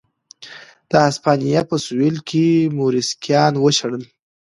د هسپانیا په سوېل کې موریسکیان وشړل.